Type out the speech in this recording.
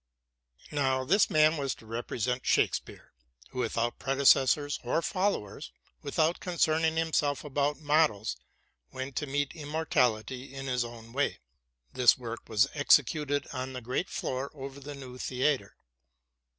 Now, this man was to represent Shakspeare, who without predecessors or followers, without concerning himself about models, went to meet immortality in his own way. This work was exe cuted on the great floor over the new theatre.